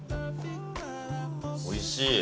おいしい。